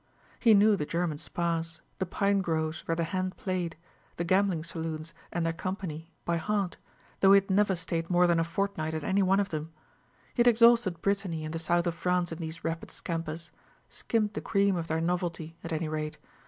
He knew the German spas, the pine groves where the band played, the gambling saloons and their company, by heart, though he had never stayed more than a fortnight at any one of them. He had exhausted Brittany and the South of France in these rapid scampers; skimmed the cream of their novelty, at any rate.